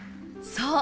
［そう。